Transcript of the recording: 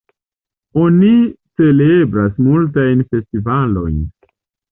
Oni celebras multajn festivalojn.